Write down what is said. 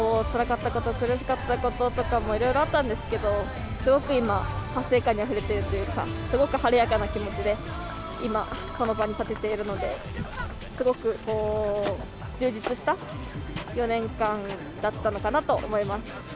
つらかったこと、苦しかったこととかもいろいろあったんですけど、すごく今、達成感にあふれてるというか、すごく晴れやかな気持ちで、今、この場に立てているので、すごく充実した４年間だったのかなと思います。